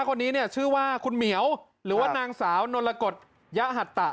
คนนี้เนี่ยชื่อว่าคุณเหมียวหรือว่านางสาวนลกฎยะหัตตะ